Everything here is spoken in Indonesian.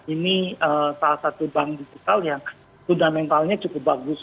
ini salah satu bank digital yang fundamentalnya cukup bagus